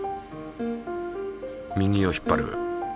右を引っ張る。